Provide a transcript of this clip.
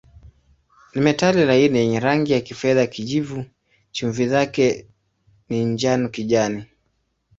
Ni metali laini yenye rangi ya kifedha-kijivu, chumvi zake ni njano-kijani.